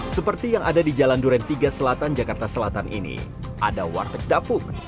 seperti yang ada di jalan duren tiga selatan jakarta selatan ini ada warteg dapuk